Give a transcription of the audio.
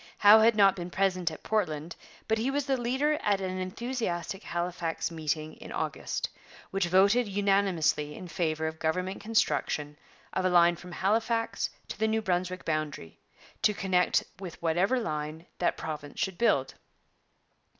Howe had not been present at Portland, but he was the leader at an enthusiastic Halifax meeting in August, which voted unanimously in favour of government construction of a line from Halifax to the New Brunswick boundary, to connect with whatever line that province should build.